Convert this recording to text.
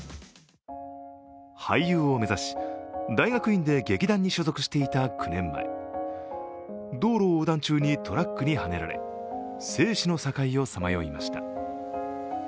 俳優を目指し、大学院で劇団に所属していた９年前、道路を横断中にトラックにはねられ、生死の境をさまよいました。